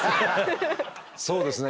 そうですね